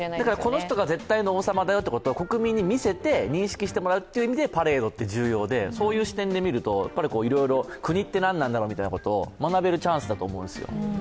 この人が絶対の王様だよということを国民に見せて認識してもらうという意味で、パレードって、重要でそういう視点で見ると、いろいろ国って何なんだろうみたいなことを学べるチャンスだと思うんですよ。